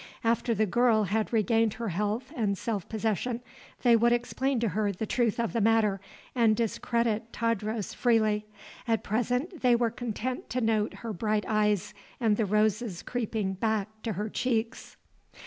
After the girl had regained her health and self possession, they would explain to her the truth of the matter and discredit Tadros freely; at present they were content to note her bright eyes and the roses creeping back to her cheeks.